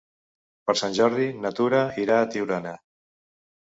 Per Sant Jordi na Tura irà a Tiurana.